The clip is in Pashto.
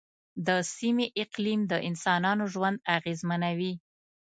د سیمې اقلیم د انسانانو ژوند اغېزمنوي.